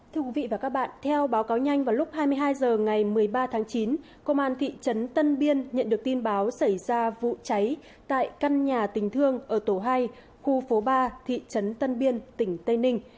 thưa quý vị và các bạn theo báo cáo nhanh vào lúc hai mươi hai h ngày một mươi ba tháng chín công an thị trấn tân biên nhận được tin báo xảy ra vụ cháy tại căn nhà tình thương ở tổ hai khu phố ba thị trấn tân biên tỉnh tây ninh